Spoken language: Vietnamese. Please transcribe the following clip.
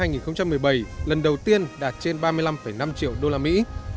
năm hai nghìn một mươi bảy lần đầu tiên đạt trên ba mươi năm năm triệu đô la mỹ